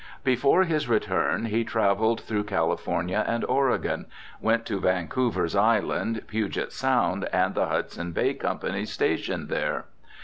Before his return he travelled through California and Oregon, went to Vancouver's Island, Puget Sound, and the Hudson Bay Company's station there.